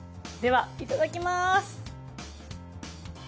ではいただきます。